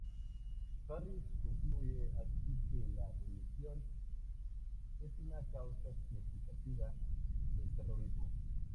Harris concluye así que la religión es una causa significativa del terrorismo.